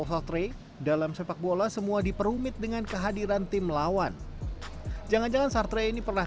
hotrey dalam sepak bola semua diperumit dengan kehadiran tim lawan jangan jangan sartri ini pernah